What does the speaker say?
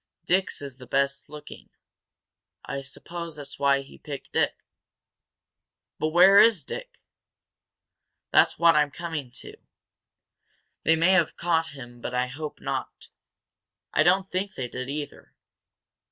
Dick's is the best looking. I suppose that's why he picked it." "But where is Dick?" "That's what I'm coming to. They may have caught him but I hope not. I don't think they did, either.